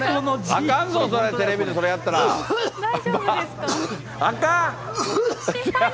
あかんぞ、それテレビでやったら、あかん！